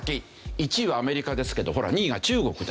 １位はアメリカですけど２位が中国ですよ。